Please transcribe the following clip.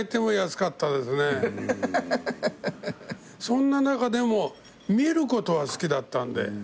そんな中でも見ることは好きだったんで。